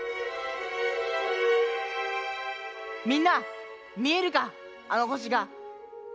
みんなみえるかあのほしが！